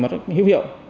rất hiệu hiệu